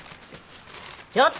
ちょっと！